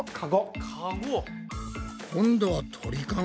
今度は鳥かご？